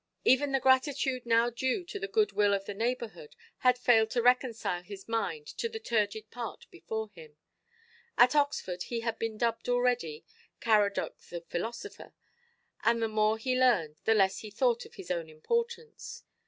Even the gratitude now due to the good–will of all the neighbourhood, had failed to reconcile his mind to the turgid part before him. At Oxford he had been dubbed already "Caradoc the Philosopher"; and the more he learned, the less he thought of his own importance.